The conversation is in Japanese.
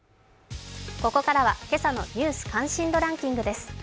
ここからは今朝の「ニュース関心度ランキング」です。